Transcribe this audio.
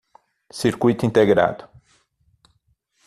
Circuito integrado